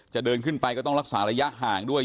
เดินขึ้นไปก็ต้องรักษาระยะห่างด้วย